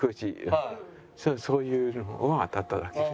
そういうのが当たっただけです。